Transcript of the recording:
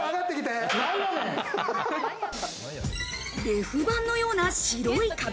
レフ板のような白い壁。